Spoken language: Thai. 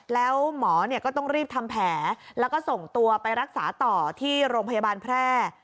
แล้วหมอก็ต้องรีบทำแผลแล้วก็ส่งตัวไปรักษาต่อที่โรงพยาบาลแพร่